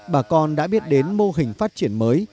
bà con đã biết đến mô hình phát triển mới